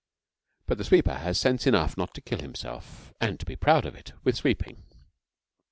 But the sweeper has sense enough not to kill himself, and to be proud of it, with sweeping.